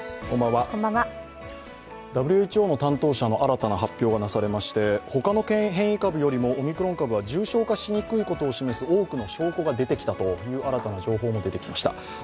ＷＨＯの担当者の新たな発表がなされまして、ほかの変異株よりもオミクロン株は重症化しにくいことを示す多くの証拠が出てきたという新たな情報も出てきました。